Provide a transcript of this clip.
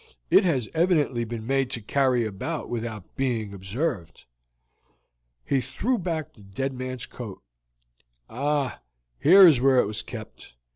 It has evidently been made to carry about without being observed." He threw back the dead man's coat. "Ah, here is where it was kept.